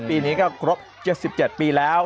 ปีนี้ก็ครบ๗๗ปีแล้ว